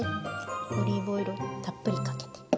オリーブオイルをたっぷりかけて。